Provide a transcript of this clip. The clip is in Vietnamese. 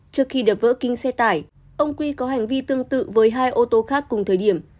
trước khi đập vỡ kính xe tải ông quy có hành vi tương tự với hai ô tô khác cùng thời điểm